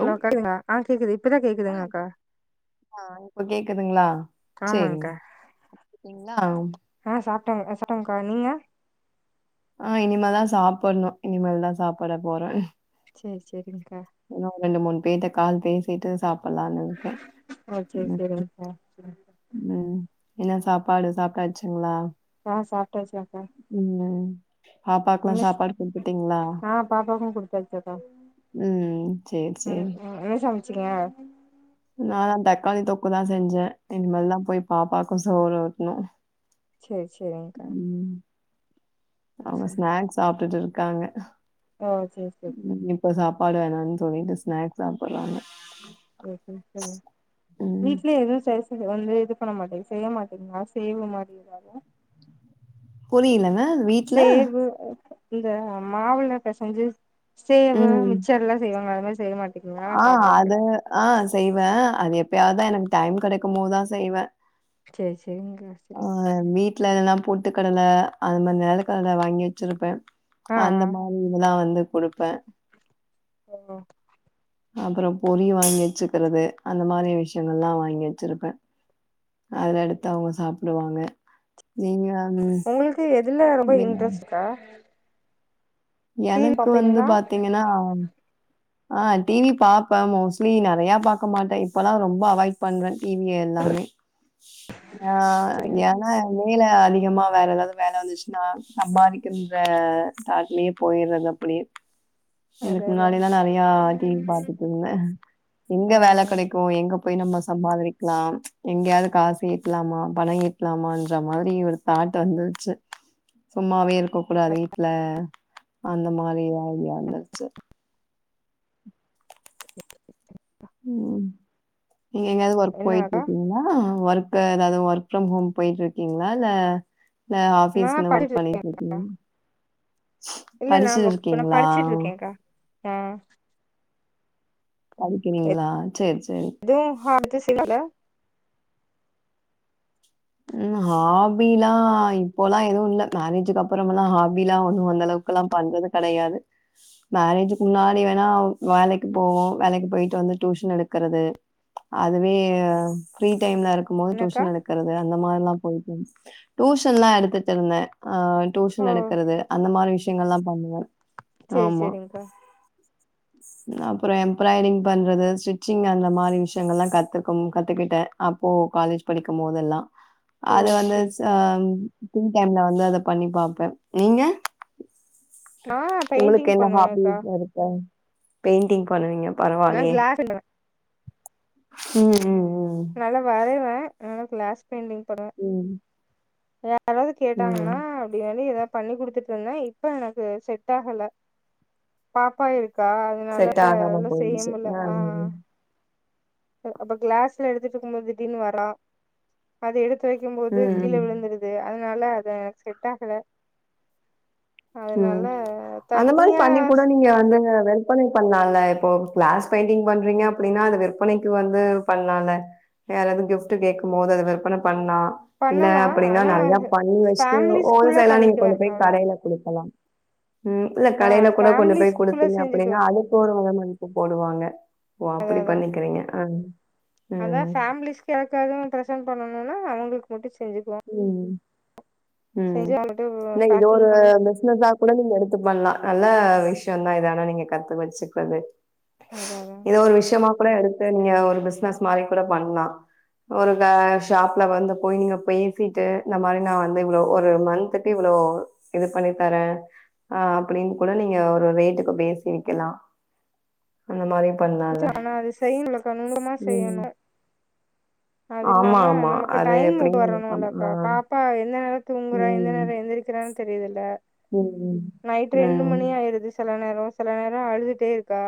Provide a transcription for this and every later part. Hello அக்கா கேகுதுங்களா ஆ கேக்குது இப்பதா ஆ கேக்குதுங்க அக்கா ஆ இப்ப கேக்குதுங்களா சேரிங்க ஆமாங்க்கா ஆ சாப்டிங்களா ஆ சாப்டாங்க சாப்டாங்க்கா நீங்க ஆ இனிமேதா சாப்பட்ணு இனிமேல்தா சாப்பட போற சேரி சேரிங்க்கா இன்னு ரெண்டு மூணு பேர்ட்ட கால் பேசிட்டு சாப் ஓகே ஓகே சேரிங்க்கா சேரி ம் என்ன சாப்பாடு சாப்டாசுங்களா ஆ சாப்ட்டாச்சு அக்கா பாப்பாக்குல்லா என்ன ஸ் சாப்பாடு குடுத்துட்டீங்களா? ஆ பாப்பாக்கு குடுத்தாச்சக்கா ம் ம் சேரி சேரி [unintelligible] நானா தக்காளி தொக்கு தா செஞ்ச இனி மேல் தா போய் பாப்பாக்கு சோறு ஊட்ணு சேர் சேரிங்க் ம் அவுங்க ஸ்நாக்ஸ் சாப்ட்டுட்டு இருக்காங்க ஓ செரி செரி செரி ம் இப்ப சாப்பாடு வேணாணு சொல்லிட்டு ஸ்நாக் சாப்பட்லானு செரி ம் வீட்லயே எதுவு செ வந்து இது பண்ண மாட்டே செய்ய மாட்டீங்களா செய்வ மாரி எதாது புரிலங்க சேவு இந்த மாவுள பெசஞ்சு சேவு மிச்சர்லா செய்வாங்க அது மாரி செய்ய மாட்டிங்களா ஆஹ் அது ஆஹ் செய்வ அது எப்பயாவதுதா எனக்கு டைம் கடைக்கும் போதுதா செய்வ சேரி சேரிங்க்கா சேரி ஆஹ் மீ ட்ல எதனா பொட்டுக்கடல அந்த மாரி நெலகடல வாங்கி வெச்சிருப்ப ஆ அந்த ஆ மாரி இதல்லா வந்து குடுப்ப ஓ அப்பறோ பொறி வாங்கி வெச்சுக்கறது அந்த மாரி விஷயங்கள்லா வாங்கி வெச்சிருப்ப அதுல எடுத்து அவுங்க சாப்டுவாங்க நீங்க [inaudible] உங்ளுக்கு எதுல ரொம்ப நீங்க இன்ட்ரெஸ்ட்க்கா எனக்கு வந்து பாத்தீங்கனா ஆ டிவி பாப்ப மோஸ்ட்லி நறையா பாக்க மாட்ட இப்பல்லா ரொம்ப அவாய்ட் பண்ற டிவிய எல்லாமே ஆ எனா மேல அதிகமா வேற எதாவது வேல வந்துச்சுனா சம்பாதிக்கின்ற தாட்லயே போயிறது அப்டியே அது இதுக்கு அதா முன்னாடி லா நறையா டிவி பாத்துட்ருந்த ஆ எங்க வேல கெடைக்கொ எங்க போய் நம்ம சம்பாதிரிக்லா எங்கயாவது காசுட்லாமா பணோ ட்லாமான்ற மாரி ஒரு தாட் வந்துருச்சு சும்மாவே இருக்க கூடாது வீட்ல அந்த மாரி ஐடியா வந்துருச்சு ம் நீங்க எங்கயாவது ஒர்க் என்னக்கா போயிட்ருக்கீங்களா ஒர்க் க்கு எதாவது ஒர்க் ஃப்ரம் ஹோம் போயிட்ருக்கீங்களா இல்ல இல்ல நா ஆஃபீஸ்னு ஒர்க் படிச்சிட்டு பண்ணிட்ருக்கிங்ளா இருக்கா இல்ல படிச்சுட் இருக்கீங்களா ம் படிக்கிறிங்களா சேரி சேரி து ஹார் [unintelligible] ம் ஹாபி லா இப்போலா எதுவு இல்ல மேரேஜுக்கப்றம் லா ஹாபிலா ஒன்னு அந்தளவுக் க்கல்லா பண்றது கடையாது மேரேஜுக்கு முன்னாடி வேணா வேலைக்கு போவோ வேலைக்கு போயிட்டு வந்து டியூஷன் எடுக்கறது அதுவே ஃப்ரீ டைம்ல இருக் கமோது என்னக்கா டியூஷன் எடுக்கறது அந்த மாரிலா போயிட்ருந்ச்சு டியூஷன்லா எடுத்துட்ருந்த ஆஹ் ஓ டூஷன் எடுக்கறது அந்த மாரி விஷயங்கள்லா பண்ணுவ சேரி ஆமா சேரிங்க்கா அப்பறோ எம்ப்ராய்டரிங் பண்றது ஸ்டிச்சிங் அந்த மாரி விஷயங்கள் லா கத்துக்கம் கத்துக்குட்ட அப்போ காலேஜ் படிக்கமோதெல்லா ஓ அத வந்து சேரி ச சேரி ம் ஃப்ரீ டைம்ல வந்து அத பண்ணி பாப்ப நீங்க நா பெயிண்டிங் உங்களுக்கென்ன பண்ணுவேன்க்கா ஹாபீஸ் லா இருக் பெயிண்டிங் பண்ணுவீங்க நா பரவாலயே கிளாஸ் பண்ணுவே ம் ம் ம் நல்லா வரைவ நல்லா கிளாஸ் பெயிண்டிங் பனுவ ம். யாராவது ம். கேட்டாங்கனா ம். அப்டி சொல்லி எதா பண்ணி குடுத்துட்ருந்த இப்ப எனக்கு செட் ஆஹல பாப்பா இருக்கா அதனால செட் ஆகாம அதல்லா போயிருச்சு. செய்யமுல்ல அ, ஆஹ் ம். அப்ப கிளாஸ்ல எடுத்துட்ருக்கும்போ திடீர்னு வரா அத எடுத்து வெக்கும் போது ம், கீழ ம். விழுந்துரு து அதுனால அத செட்டாஹல ம் அதுனால அந்த மாரி தனியா பண்ணி கூட நீங்க வந்து விற்பனை பண்ணலால இப்போ கிளாஸ் பெயிண்டிங் பண்றீங்க அப்டின்னா அது விற்பனைக்கு வந்து பண்லால யாராவது கிஃப்ட் கேக்கும்போது அத விற்பன பண்லாம் இல்ல பண்ணலா அப்படின்னா ஆனா நல்லா பண்ணி வச்சுட்டு ஓல் ஃபேமிலிஸ்குள்ள சேலா நீங்க பண்ணிக்குவே கொண்டு போய் அவ்ளோதா கடையில கொடுக்கலாம் உம் ப்ரோ ஆ கடையில கூட கொண்டு போய் ஃபேமிலிஸ்குள்ள குடுத்தீங்க அப்படின்னா செஞ்சுக்குவே அது போடுவோனு [unintelligible] போடுவாங்க ஓ அப்படி பண்ணிக்கறீங்க ஆன் அதான் ஃபேமிலிஸ்க்கு யாருக்காது ப்ரசென்ட் பண்ணணுனா அவுங்களுக்கு மட்டும் செஞ்சுக்குவோம் உம் உம் அவங்கள்ட்ட இல்ல இத பேக்கிங் ஒரு பண்ணி பிஸ்னஸா கூட நீங்க எடுத்து பண்லாம் நல்ல விஷயம் தான் இத ஆனா நீங்க கத்து வச்சுக்கிறது அதா அதான் இத ஒரு விஷயமா கூட எடுத்து நீங்க ஒரு பிஸ்னஸ் மாரி கூட பண்லாம் ஒரு க ஷாப்ல வந்து போயி நீங்க போயி த்திட்டு இந்த மாரி நான் வந்து இவ்ளோ ஒரு மந்த்துக்கு இவ்ளோ இது பண்ணி தர ஆ அப்டின் கூட நீங்க ஒரு ரேட்டுக்கு பேசி விக்கலாம் அந்த மாரி பண் கலா ஆனா அது செய்யுனுலகா நுன்ருமா ம். செய்யணும் அது இல்லாம ஆமா, ஆமா. நமக்கு அது டைம் ஒத்து எப்டின்னு எனக்கு ஆ வரணும்லக்கா பாப்பா எந்த நேரம் தூங்குறா எந்த ம். நேரம் எந்திரி க்கிறானு தெரியாதுல ம். ம். நைட்டு ம், ரெண்டு மணி ஆயிருது செல நேரோ செல நேரோ அழுதுட்டே இருக்கா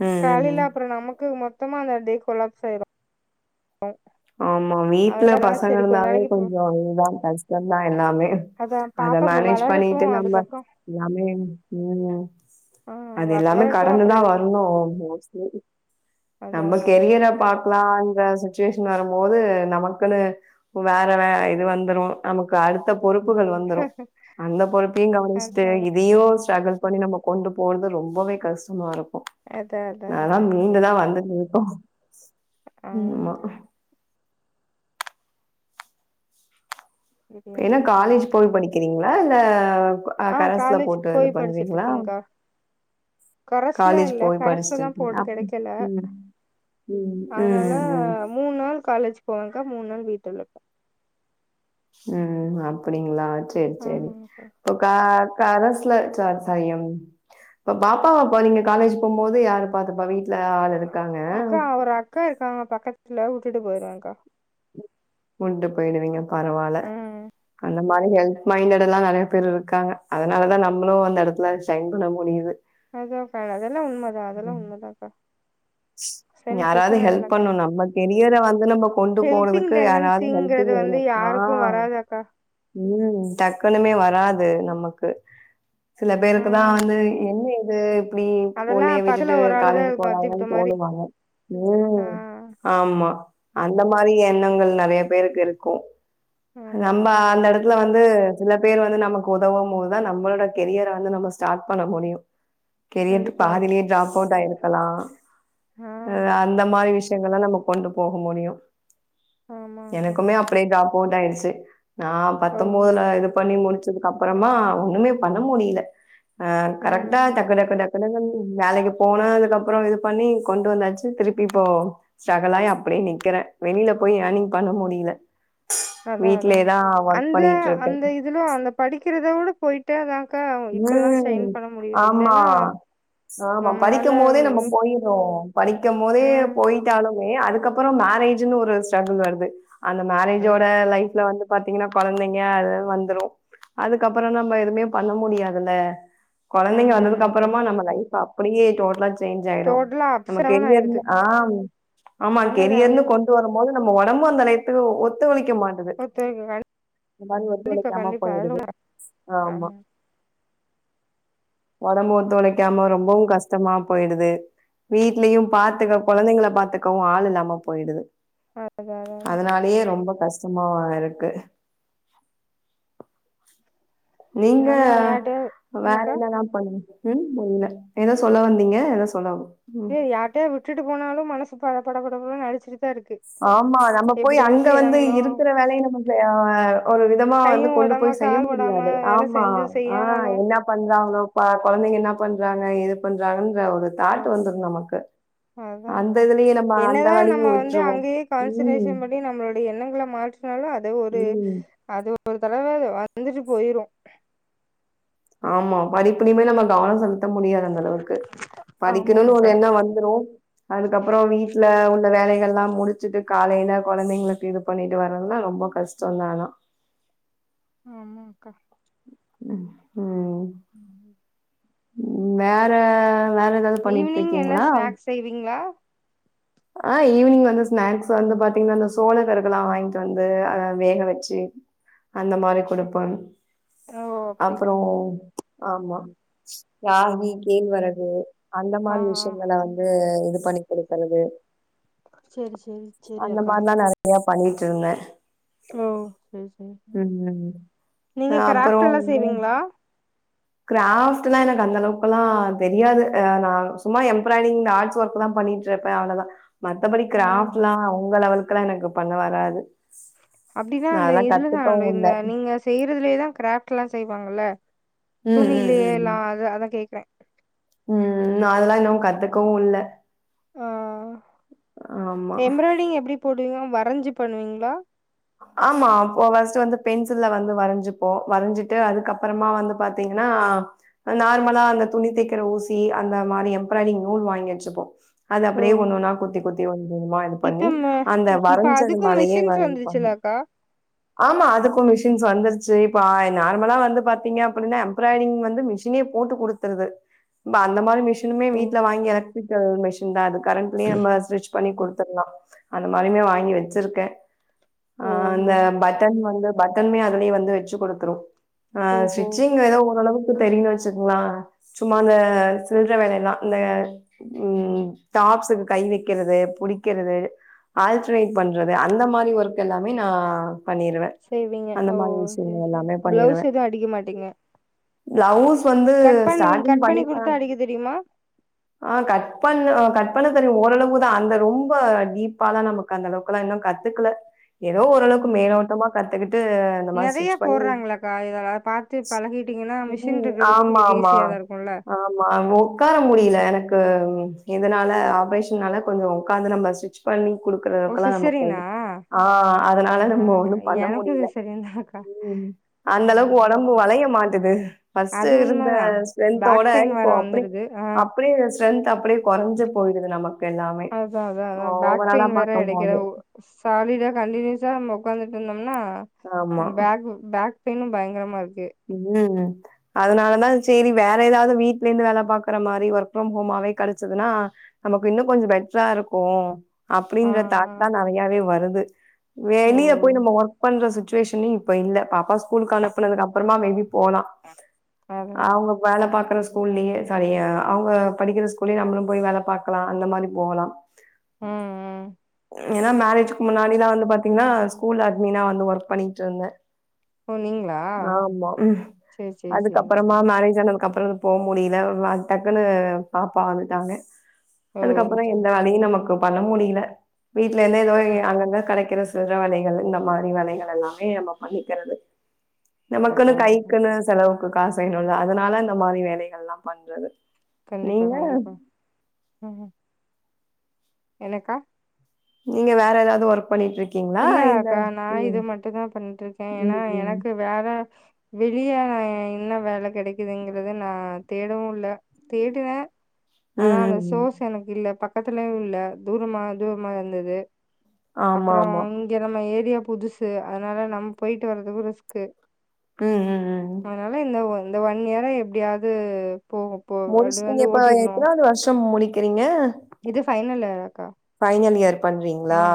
ம், காலையில ம். அப்ரோ நமக்கு மொத்தமா அந்த டே கொலாப்ஸாயிரும் ஆமா வீட்ல பசங்க இருந்தாவே போ கொஞ்சோ இதுதான் கஷ்டந்தான் எல்லாமே அதா அத பாப்பா கொஞ்சோ மேனேஜ் வளரட்டு பண்ணிட்டு நம்ம அதுக்கப்புறோ எல்லாமே உம் ஆ அது எல்லாமே வளரட்டு அப்புறோ கடந்துதான் எடுத்து வரணும் மோஸ்ட்லி அதா நம்ம அதா அதா கெரியர பாக் லா அந்த சிச்சுவேஷன் வரும்போது நமக்குனு வேற வே இது வந்துரும் நமக்கு அடுத்த பொறுப்புகள் வந்துரும் அந்த பொறுப்பையும் கவனிச்சுட்டு அதா இது தயு ஸ்ட்ராகிள் பண்ணி நம்ம கொண்டு போறது ரொம்பவே கஷ்டமா இருக்கும் அதா அதா அதா அதெலாம் மீண்டு தான் வந்துட்ருக்கோ ஆ ஆமா என்னா காலேஜ் போய் படிக்கிறீங்களா இல்ல ஆ கரசுல காலேஜ் போட்டு இது போய் படிச்சுட்டு பண்றிங்களா இருக்கேங்க்கா கரஸ்ல காலேஜ் இல்ல போய் படிச்சுட்டு கரஸ்ல தா இருக்கிங்களா போட்டு கெடைக்கல ம் உம் உம் ம் மூன்நாள் காலேஜ் போவெங்க மூன் நாள் வீட்டுல இருப்ப ம் அப்படிங்களா செரி செரி ஆமாங்கக்கா கா கரஸ்ல சார் ச ம் இப்ப பாப்பாவப்ப நீங்க காலேஜ் போகும்போது யாரு பா்த்தப்பா வீட்டுல ஆல் அக்கா ஒரு அக்கா இருக்காங்க பக்கத்துல உட்டுட்டு போயிருவங்கா உண்டு போயிடுவீங்க பரவால்ல ம் அந்த இந்த மானி ஹெல்ப் மைண்டடெல்லாம் நெறைய பேருக்காங்க அதனால தான் நம்மளும் அந்த எடத்துல சைன் பண்ண முடியுது அதாக்கா அதெல்லாம் உண்மைதான் அதெல்லாம் உண்மைதான்க்கா யாராவது ஹெல்ப் பண்ணணும் நம்ம கெரியர வந்து நம்ம கொண்டு ஹெல்பிங் போறதுக்கு யாராவது ஹெல்ப் டெண்டன்சிங்கிறது வந்து [unintelligible] ஆ யாருக்கு வராதாக்கா உம் டக்குனுமே வராது நமக்கு சில பேருக்குதான் ம் வந்து என்ன இது இப்டி அதெல்லா புள்ளைய பக்கத்துல விட்டுட்டு ஒரு ஆள் தா காலேஜ் இருக்கு அத்தி போறாங்க விட்ட மாரி ஆ ஆ உம் ஆமா அந்த மாரி எண்ணங்கள் நெறைய பேருக்கிருக்கூ நம்ம ஆமாக்கா அந்த எடத் துல வந்து சில பேர் வந்து நமக்கு உதவம்போது தான் நம்மளோட கெரியர வந்து நம்ம ஸ்டார்ட் பண்ண முடியும் கெரியத் கண்டிப்பா பாதிலயே கண்டிப்பா ட்ராப் அவுட் ஆயிருக்கலாம் ஆ அ அந்த மாரி விஷயங்கல்லா நம்ம கொண்டு போக முடியும் ஆமாக்கா எனக்குமே அப் படிய டிராப் அவுட் ஆயிடுச்சு நான் ஓ பத்தொன்பதுல இது பண்ணி முடிச் க்கு அப்பறமா ஒண்ணுமே பண்ண முடில ம் கரெக்டாடக்குடட [unintelligible] வேலைக்கு போனா அதுக்கப்பறமா இது பண்ணி கொண்டு வந்தாச்சு திருப்பி இப்போ ஸ்ட்ரக்குலாகி அப்படியே நிக்குற வெளியில போய் ஏயர்னிங் பண்ண முடில்ல அதா வீட்லயேதா ஒர்க் பண்ணிட்டு இருக்க இதுலா அந்த படிக்கிறத விட போயிட்டா தா அக்கா இப்பல்லா சைன் ம். பண்ண முடியு ஆமா. இல்லன்னா ஆமா நம்மளால படிக்கும் போதே நம்ம ம் போயிடன்னு படிக்கும் போதே போயி ம் போய்ட்டாலுமே அதுக்கப்பற மேரேஜ்ன்னு ஒரு ஸ்ட்ரகுல் வருது அந்த ம். மேரேஜோட லைஃப்ல வந்து பாத்தீங்கன்னா குழந்தைங்க அ வந்துரு அதுக்கப்பற நம்ம எதுவுமே பண்ண முடியாதுல குழந்தைங்க ஆமா வந்ததுக்கு ஆமாக்கா அப்பறமா நம்ம லைப் அப்டியே டோட்டலா சேஞ்ச் ஆயிடு டோட்டலா அப்ஸ் நம்ம டவுன் ஆயிருது கரியர்ல ஆ ஆமா கரியர்ன்னு உண்மதான்க்கா கொண்டு வரும்போது நம்ம உடம்பு அந்த லையத்துக்கு ஒத்துழிக்க மாட்ட து இந்த மாதிரி ஒத்து கண்டிப்பா உழைக்காம கண்டிப்பா அதுல போயிடுது உண்மை. ஆமா உடம்பு ஆமா ஓத்துழைக்காம ரொம்பவு கஷ்ட சுத்தமா போயிடுது வீட்லயு பாத்துக்க குழந்தைங்கள பாத்துக்கவு ஆள் இல்லாம போயிடுது அதா அதா அதனாலயே ரொம்ப கஷ்டமா இருக்கு நீங்க நம்ம யார்ட்டயா வேற என்னக்கா என்னல்லா பண்ணுவீங் ம் இல்ல ஏதோ சொல்ல வந்தீங்க ஏதோ சொல்ல வந் எய யாருட்டையாவுது விட்டு போனாலு மனசு ப பட படன்னு அடிச்சுட்டு தா இருக்கு ஆமா நம்ம போய் எப்டி என்ன அங்க வந்து செய்யறாங்களோ இருக்குற வேலையில கொஞ்ச ஒரு விதமா கையு வந்து கொண்டு ஓடாம போய் செய்ய கால் ஓடாம முடியாது வேல ஆமா செஞ்சு ஆ செய்யாமலு என்ன பண்றாங்களோ ப குழந்தைங்க என்ன பண்றாங்க ஏது பண்றாங்கன்ற ஒரு ஆ தாட்டு வந்துரு நமக்கு அந்த அதான்க்கா இதுலயு நம்ம அந்த வேலையு விட்டுருவோ கான்சென்ட்ரேஷன் பண்ணி நம்மளோடைய எண்ணங்கள மாத்துனாலு அது ஒரு ம் அது ஒரு தடவ அ வந்துட்டு போயிரு ஆமா படிப்புலயுமே நம்ம கவன செலுத்த முடியாது அந்த அளவுக் கு படிக்கணும்னு ஒரு ஆமாங்கக்கா என்ன வந்துரு அதுக்கப்பற வீட்டுல உள்ள வேலைகள் எல்லா முடிச்சுட்டு காலையில குழந்தைங்களுக்கு இது பண்ணிட்டு வரறதுல்லா ரொம்ப கஷ்ட [unintelligible] ம்ம் ஆமாக்கா ம் ம் ம் வேற வேற ஏதாவது பண்ணிட்டு ஈவினிங் என்ன இருக்கீங்களா ஸ்நாக்ஸ் செய்வீங்களா ஆ ஈவினிங் வந்து ஸ்நாக்ஸ் வந்து பாத்தீங்கன்னா அந்த சோள கருதெல்லா வாங்கிட்டு வந்து அத வேக வச்சு அந்த மாரி கொடுப்ப ஓ அப்பற அப்டிங்களா ஆமா ராகி கேழ்வரகு அந்த ஆ மாதிரி ஆ விஷயங்கல வந்து இது பண்ணி கொடுக்கறது சேரி சேரி சேரி அந்த அக்கா மாரில்லா நெறையா பண்ணிட்டு இருந்த ஓ சரி சரி ம் நீங்க கிராஃப்ட் எல்லா செய்வீங்களா கிராஃப்ட் எல்லா எனக்கு அந்தளவுக்குல்லா தெரியது நா சும்மா எம்பிராய்டிங் ஆர்ட்ஸ் ஒர்க் எல்லா பண்ணி அவ்ளவுதா மத்தபடி ம் கிராஃப்ட்ல்லா உங்க லெவலுக்கு எல்லா எனக்கு பண்ண வராது அப்டிதா நா அந்த அதெல்லா இதுலதா கத்துக்கவு இல்ல இந்த நீங்க செய்யறதுலயேதா கிராஃப்ட் எல்லா செய்வாங்கல்ல ம் ம் துணியிலயே ம் எல்லா அது அதா கேக்குற ம் அதெல்லா இன்னு கத்துக்கவு இல்ல ஆமா எம்பிராய்டிங் எப்டி போடுவீங்க வரஞ்சு பண்ணுவீங்களா. ஆமா அப்போ ஃபர்ஸ்ட் வந்து பென்சில்ல வந்து வரஞ்சுப்போ வரஞ்சிட்டு அதுக்கப்பறமா வந்து பாத்தீங்கன்னா நார்மலா அந்த துணி தேக்கிற ஊசி அந்த மாதிரி எம்ப்ராய்டிங் நூல் வாங்கி வச்சுப்போ அது அப்டியே ஓ ஒண்ணுன்னா குத்தி குத்தி ஒணுமா இது இப்ப பண்ணி ம அந்த இப்ப வரஞ்சது அதுக்கு மேலயே மிஷின்ஸ் வந்து இது பண்னு வந்துருச்சுலக்கா ஆமா அதுக்கு மிஷின்ஸ் வந்துருச்சு இப்ப நார்மலா வந்து பாத்தீங்க அப்புடின்னா எம்ப்ராய்டிங் வந்து மிஷினே போட்டு குடுத் துருது இப்ப அந்த மாரி மிஷினுமே வீட்ல வாங்கி எலக்ட்ரிக்கல் மிஷின் தா அது கரண்ட்லயே நம்ம ஸ்டிட்ச் பண்ணி குடுத்துர்லா அந்த மாரியுமே வாங்கி வச்சிருக்கே ஆ ஓ அந்த ஓ பட்டன் வந்து பட்டன்மே அதுலயே வந்து வச்சு குடுத்துரு ஆ ஓஹோ ஸ்ட்சிங் ஏதோ ஓரளவுக் கு தெரிஞ்சு வச்சுக்கலா சும்மா அந்த சில்ற வேலயெல்லா இந்த ம் டாப்சுக்கு கை வைக்கிறது புடிக்கிறது ஆல்டர்னேட் பண்றது அந்த மாரி ஒர்க் எல்லாமே நா பண்ணிருவே செய்வீங்க அந்த ஓ மாரி சரி விஷயங்கள் சரி எல்லாமே ப்ளவுஸ் எதுவு அடிக்க மாட்டீங்க ப்ளவ்ஸ் வந்து ஸ்டார்டிங் பண்ணிப்பே ட அடிக்க தெரியுமா ஆ கட் பண்ண கட் பண்ண தெரியு ஓரளவுதா அந்த ரொம்ப டீப்பால நமக் கு அந்தளவுக்குலா இன்னு கத்துக்கல எதோ ஓரளவுக்கு ம் மேலோட்டமா கத்துக்கிட்டு இந்த மாரி நெறைய ஸ்டிட்ச் பண்ணி போடுறாங்களாக்கா இதெல்லா பாத்து பழகிட்டீங்கன்னா மிஷின் ம் இருக்கறதுக்கு ஆமா உங்களுக்கு ஆமா ஈஸியா தா இருக்குல்ல ஆ உக்கார முடியல எனக்கு எதனால ஆப்ரேஷனால கொஞ்ச உக்காந்து நம்ம ஸ்டிச் பண்ணி ஓ குடுக்குறதுக்கெலா நம்ம போ சிசரினா ஆ அதனால ஆ நம்ம ஒண்ணு பண்ண எனக்கு முடியில சிசரியன் தாக்கா ம் அந்த அளவுக்கு ம் ஒடம்பு வளைய மாட்டிது பஸ்ட் அது இருந்த உண்மதா பேக் ஸ்ட்ரென்த்தோட பெயின் வேற இப்போ அப்டி வந்துருது ஆ அப்டியே ஸ்ட்ரென்த் அப்டியே கொறஞ்சு போயிடுது நமக் எல்லாமே அதா அதா அதா பேக் ஓவராலா பெயின் வேற பாக்கும் எடுக்கிற போது சாலிடா கண்டினியூஸா நாம உக்காந்துட்டு இருதோம்னா ஆமா. பேக் பேக் பெயினு பயங்கரமா இருக்கு ம் அதுனாலதா சேரி வேற எதாவது வீட்லேருந்து வேல பாக்குற மாரி ஒர்க் ப்ரம் ஹோமாவே கெடச்சதுன்னா நமக்கு இன்னு கொஞ்ச பெட்ரா இருக்கும் ஆ அப்டின்ற தாட் தா நெறையாவே வருது ஓ வெளிய போய் நம்ம ஒர்க் பண்ற சுச் சுவேசன் இப்ப இல்ல பாப்பா ஸ்கூலுக்கு அனுப்புனதுக்கு அப்புறமா மே பி போலா அது அவங்க வேல பாக்குற ஸ்கூல்லேயே சாரி அவங்க படிக்கிற ஸ்கூல்லயே நம்மளு போய் வேல பாக்கலா அந்த மாதி போகலா [inaudible] ம் ம் ஏனா மேரேஜ்க்கு முன்னாடி நா வந்து பாத்தீங்னா ஸ்கூல் அட்மினா வந்து ஒர்க் பண்ணிட்டு இருந்தே ஓ நீங்ளா ஆமா அதுக்கப்புறமா சேரி மேரேஜ் ஆனதுக்கப்புற போ முடியில டக்குன்னு பாப்பா வந்துட்டாங்க ஓ அதுக்கப்றோ சேரி எல்லாமே நமக்கு இப்ப பண்ண முடியில வீட்ல இருந்தே ஏதோ சேரி அங்கங்க கெடைக்கிற சிறு வேலைகள் இந்த மாரி வேலைகள் எல்லாமே நம்ம பண்ணிக்கிறது நமக்குன்னு கட்டாய கட்டாய கைக்குன்னு செலவுக்கு காசு வேணு இல்ல அதுனால இந்த மாரி வேலைகள்லா பண்றது கண்டிப்பா நீங்க கண்டிப்பா ம் என்னக்கா நீங்க வேற எதாவது ஒர்க் பண்ணிட்டுருக் இல்ல அக்கா நா இது மட்டுந்தா பண்ணிட்டுருக்கே ஏனா ம் ம் எனக்கு வேற வெளிய என்ன வேல கெடைக்குதுங்கறத நா தேடவு இல்ல தேடுவே ம் ஆனா அந்த ம் ம் சோஸ் எனக்கு இல்ல பக்கத்துலயு இல்ல தூரமா தூரமா இருந்தது ஆமா அப்புற ஆமா இங்க நம்ம ஏரியா புதுசு அதுனால நம் போய்ட்டு வர்றதுக்கு ரிஸ்க்கு ம் ம் ம் அதுனால இந்த ஒன் இந்த ஒன் இயரா எப்டியாது போவோ இப்ப எத்தனாவது வர்ஷோ முடிக்கிறீங்க இது ஃபைனல் இயராக்கா ஃபைனல் இயர் பண்றீங்களா ஆ